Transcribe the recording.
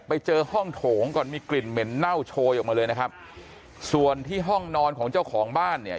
ไปเจอห้องโถงก่อนมีกลิ่นเหม็นเน่าโชยออกมาเลยนะครับส่วนที่ห้องนอนของเจ้าของบ้านเนี่ย